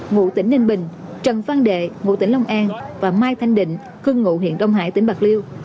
ngụ tỉnh ninh bình trần văn đệ ngụ tỉnh long an và mai thanh định cư ngụ huyện đông hải tỉnh bạc liêu